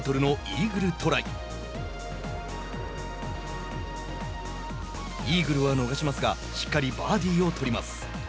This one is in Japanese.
イーグルは逃しますがしっかりバーディーを取ります。